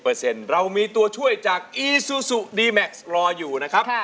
๘๐เปอร์เซ็นต์เรามีตัวช่วยจากอีซูซูดีแม็กซ์รออยู่นะครับ